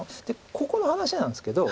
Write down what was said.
ここの話なんですけど。